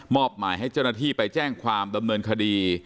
หมายให้เจ้าหน้าที่ไปแจ้งความดำเนินคดี